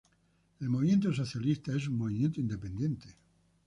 El movimiento socialista es un movimiento independiente.